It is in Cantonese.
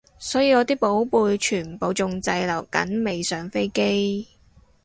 所以我啲寶貝全部仲滯留緊未上飛機